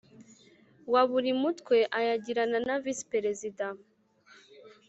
Wa buri mutwe ayagirana na visi perezida